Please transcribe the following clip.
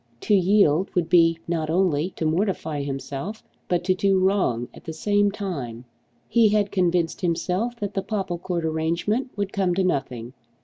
To yield would be not only to mortify himself, but to do wrong at the same time. He had convinced himself that the Popplecourt arrangement would come to nothing.